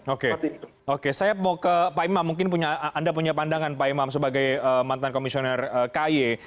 oke oke saya mau ke pak imam mungkin anda punya pandangan pak imam sebagai mantan komisioner ky